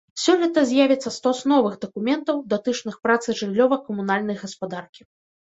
Сёлета з'явіцца стос новых дакументаў, датычных працы жыллёва-камунальнай гаспадаркі.